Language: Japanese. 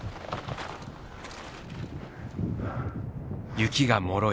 雪がもろい。